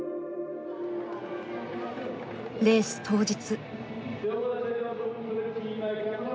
レース当日。